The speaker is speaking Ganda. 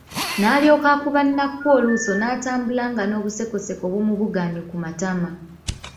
N’alyoka akuba Nakku oluuso n’atambula nga n’obusekoseko bumubugaanye ku matama.